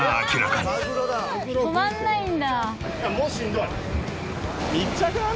「止まらないんだ」